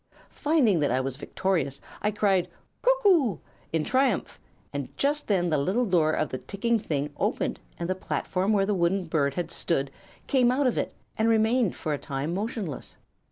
Finding that I was victorious I cried 'Cuck oo!' in triumph, and just then the little door of the ticking thing opened and the platform where the wooden bird had stood came out of it and remained for a time motionless.